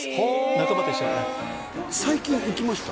仲間と一緒に最近行きました？